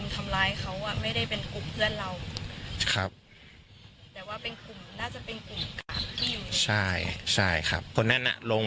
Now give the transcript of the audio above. กลุ่มที่เป็นลุมทำร้ายเขาไม่ได้เป็นเพื่อนเราครับคุณลง